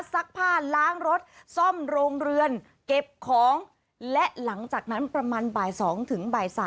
ซักผ้าล้างรถซ่อมโรงเรือนเก็บของและหลังจากนั้นประมาณบ่าย๒ถึงบ่าย๓